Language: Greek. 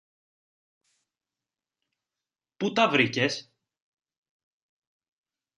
Πού τα βρήκες;